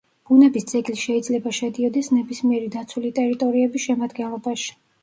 ბუნების ძეგლი შეიძლება შედიოდეს ნებისმიერი დაცული ტერიტორიების შემადგენლობაში.